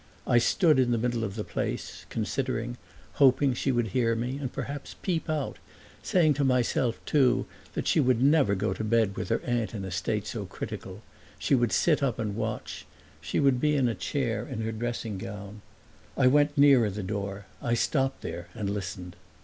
I stood in the middle of the place, considering, hoping she would hear me and perhaps peep out, saying to myself too that she would never go to bed with her aunt in a state so critical; she would sit up and watch she would be in a chair, in her dressing gown. I went nearer the door; I stopped there and listened.